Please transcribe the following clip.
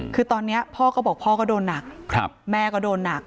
คือตอนนี้พ่อก็บอกพ่อก็โดนหนักแม่ก็โดนหนัก